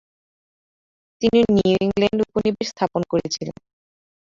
তিনি নিউ ইংল্যান্ডে উপনিবেশ স্থাপন করেছিলেন।